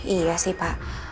iya sih pak